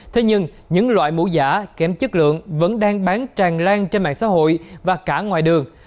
thế nhưng những loại mũ giả kém chất lượng vẫn đang bán tràn lan trên mạng xã hội và cả ngoài đường